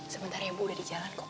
sebentar ya bu udah di jalan kok